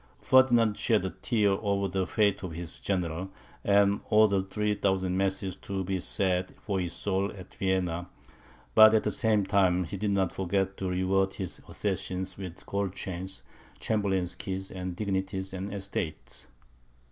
Ferdinand shed a tear over the fate of his general, and ordered three thousand masses to be said for his soul at Vienna; but, at the same time, he did not forget to reward his assassins with gold chains, chamberlains' keys, dignities, and estates.